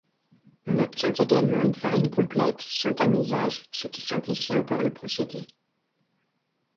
On obtient également une farine complète, sans tamisage, ce qui simplifie encore le procédé.